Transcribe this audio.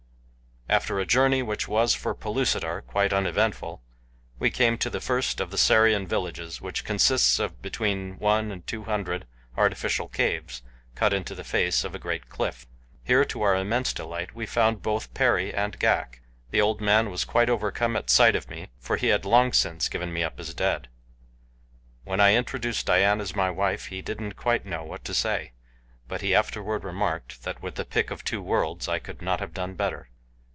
After a journey which was, for Pellucidar, quite uneventful, we came to the first of the Sarian villages which consists of between one and two hundred artificial caves cut into the face of a great cliff. Here to our immense delight, we found both Perry and Ghak. The old man was quite overcome at sight of me for he had long since given me up as dead. When I introduced Dian as my wife, he didn't quite know what to say, but he afterward remarked that with the pick of two worlds I could not have done better.